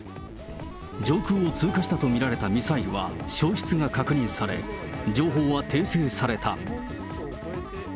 上空を通過したと見られたミサイルは、消失が確認され、情報は訂正された。